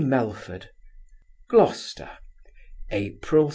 MELFORD GLOUCESTER, April 2.